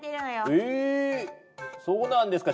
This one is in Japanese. えそうなんですか？